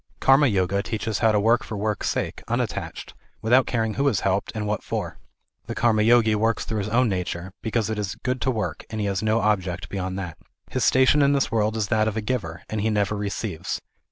Karma Yoga teaches how to work for work's sake, unattached, without caring who is helped, and what for. The Karma Yogi works through his own nature, because it is good to work, and has no object beyond that. His station in this world is that of a giver, and he never receives.